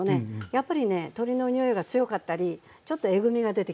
やっぱりね鶏のにおいが強かったりちょっとえぐみが出てきたり。